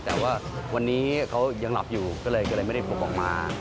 แต่ว่าวันนี้เขายังหลับอยู่ก็เลยไม่ได้บุกออกมา